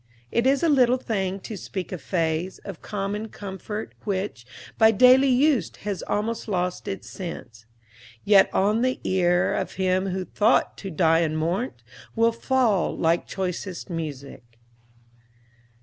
It is a little thing to speak a phase Of common comfort, which, by daily use, Has almost lost its sense; yet on the ear Of him who thought to die unmourned 't will fall Like choicest music."